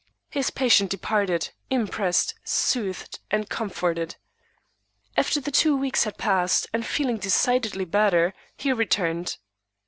His patient departed, impressed, soothed and comforted. After the two weeks had passed, and feeling decidedly better, he returned.